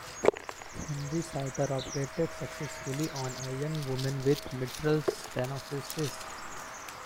Henry Souttar operated successfully on a young woman with mitral stenosis.